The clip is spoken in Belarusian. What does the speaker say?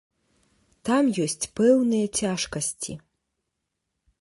Там ёсць пэўныя цяжкасці.